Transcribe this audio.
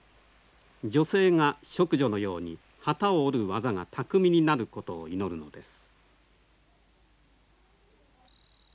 女性が織女のように機を織る技が巧みになることを祈るのです。